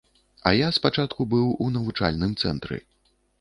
А я спачатку быў у навучальным цэнтры.